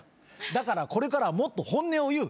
だからこれからはもっと本音を言う。